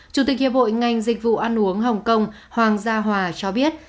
chủ tịch hiệp hội ngành dịch vụ ăn uống hồng kông hoàng gia hòa cho biết